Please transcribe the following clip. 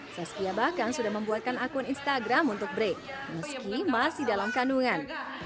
saskia bahkan sudah membuatkan akun instagram untuk break meski masih dalam kandungan